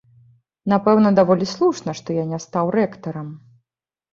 Напэўна, даволі слушна, што я не стаў рэктарам.